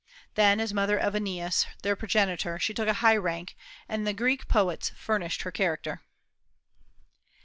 Then, as mother of Aeneas, their progenitor, she took a high rank, and the Greek poets furnished her character.